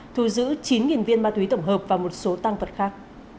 thu giữ chín viên ma túy tổng hợp và một số tăng vật khác